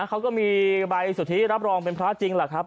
เขาก็มีใบสุทธิรับรองเป็นพระจริง